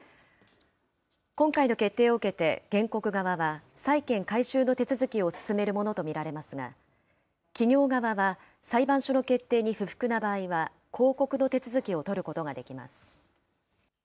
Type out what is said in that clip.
今回の決定を受けて原告側は、債権回収の手続きを進めるものと見られますが、企業側は裁判所の決定に不服な場合は、抗告の手続きを取ることができます。